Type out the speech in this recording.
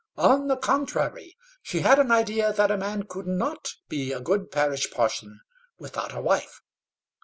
On the contrary, she had an idea that a man could not be a good parish parson without a wife.